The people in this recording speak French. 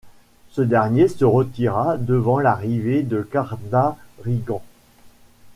Ce dernier se retira devant l'arrivée de Kardarigan.